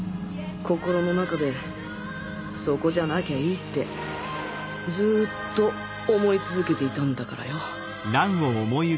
心の中でそこじゃなきゃいいってずっと思い続けていたんだからよ